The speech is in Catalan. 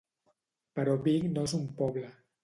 —Però Vic no és un poble.